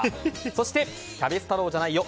そしてキャベツ太郎じゃないよ。